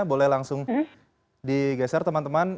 boleh langsung digeser teman teman